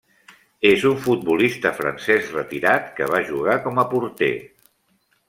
És un futbolista francès retirat que va jugar com a porter.